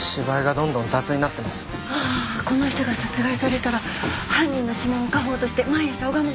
この人が殺害されたら犯人の指紋を家宝として毎朝拝むの。